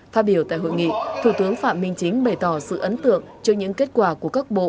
phát biểu tại hội nghị thủ tướng phạm minh chính bày tỏ sự ấn tượng trước những kết quả của các bộ